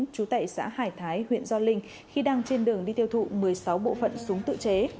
chú tệ xã hải thái huyện gio linh khi đang trên đường đi tiêu thụ một mươi sáu bộ phận súng tự chế